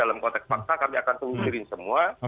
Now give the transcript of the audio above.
dalam konteks paksa kami akan tunturin semua